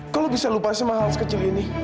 gue juga gak mau dil